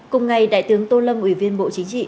cùng ngày đại tướng tô lâm ủy viên bộ chính trị